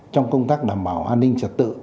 trong công tác đảm bảo an ninh trật tự